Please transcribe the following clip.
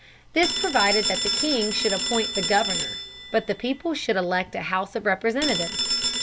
This provided that the king should appoint the governor, but the people should elect a House of Representatives.